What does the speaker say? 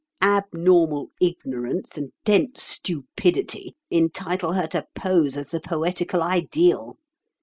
Abnormal ignorance and dense stupidity entitle her to pose as the poetical ideal.